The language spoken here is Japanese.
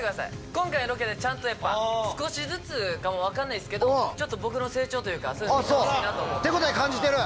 今回のロケでちゃんとやっぱ、少しずつか分かんないですけど、ちょっと僕の成長というか、そういうのを見てほしいなと思っ手応え感じてる？